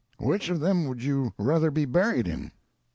Which of them would you ruther be buried in?"